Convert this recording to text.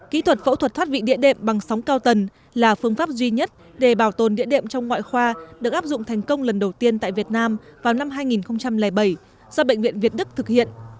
kỹ thuật phẫu thuật thoát vị địa đệm bằng sóng cao tần là phương pháp duy nhất để bảo tồn địa đệm trong ngoại khoa được áp dụng thành công lần đầu tiên tại việt nam vào năm hai nghìn bảy do bệnh viện việt đức thực hiện